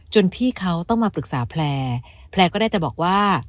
พี่เขาต้องมาปรึกษาแพลร์แพลร์ก็ได้แต่บอกว่า